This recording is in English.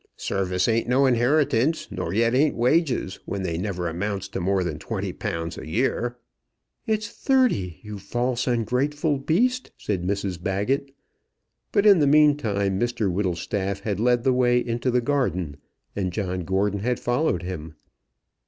Service ain't no inheritance; nor yet ain't wages, when they never amounts to more than twenty pounds a year." "It's thirty, you false ungrateful beast!" said Mrs Baggett. But in the meantime Mr Whittlestaff had led the way into the garden, and John Gordon had followed him.